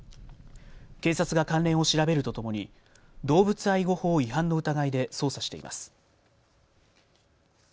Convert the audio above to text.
警察が関連を調べるとともに動物愛護法違反の疑いで捜査しています。